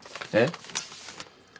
えっ？